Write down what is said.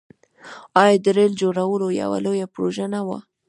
آیا د ریل جوړول یوه لویه پروژه نه وه؟